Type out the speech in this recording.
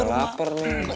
mama lapar nih